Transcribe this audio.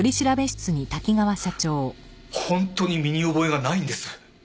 本当に身に覚えがないんです。